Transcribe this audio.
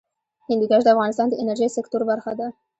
هندوکش د افغانستان د انرژۍ سکتور برخه ده.